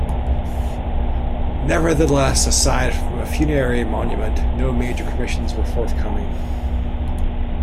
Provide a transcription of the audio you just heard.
Nevertheless, aside from a funerary monument, no major commissions were forthcoming.